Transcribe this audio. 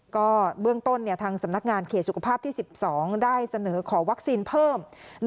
ก็เบื้องต้นทางสำนักงานเขตสุขภาพที่๑๒ได้เสนอขอวัคซีนเพิ่ม